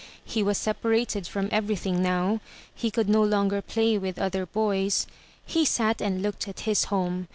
He was separated from everything now; he could no longer play with other boys. He sat and looked at his home.